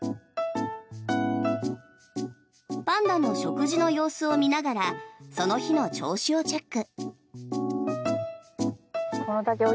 パンダの食事の様子を見ながらその日の調子をチェック。